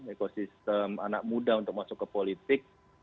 ekosistem anak muda untuk masuk ke politik